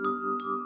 terima kasih yoko